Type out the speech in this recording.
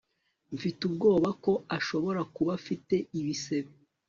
mfite ubwoba ko ashobora kuba afite ibisebe